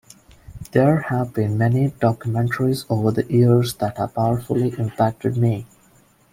There've been many documentaries over the years that have powerfully impacted me.